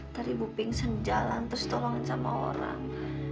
tadi ibu pingsan jalan terus tolongan sama orang